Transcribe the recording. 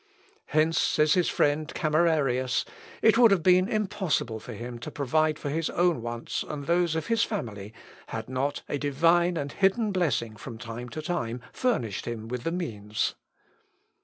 "Hence," says his friend, Camerarius, "it would have been impossible for him to provide for his own wants and those of his family had not a divine and hidden blessing from time to time furnished him with the means."